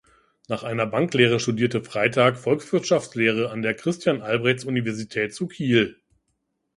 Nach einer Banklehre studierte Freytag Volkswirtschaftslehre an der Christian-Albrechts-Universität zu Kiel.